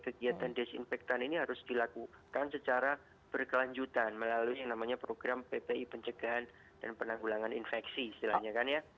kegiatan desinfektan ini harus dilakukan secara berkelanjutan melalui yang namanya program ppi pencegahan dan penanggulangan infeksi istilahnya kan ya